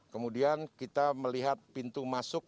kemudian kita melihat pintu masuk